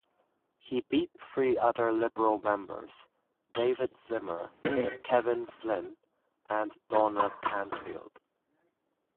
He beat three other Liberal members, David Zimmer, Kevin Flynn, and Donna Cansfield.